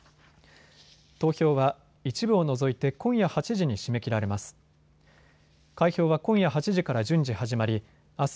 投票は一部を除いて今夜８時に締め切られます。